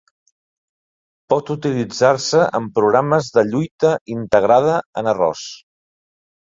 Pot utilitzar-se en programes de lluita integrada en arròs.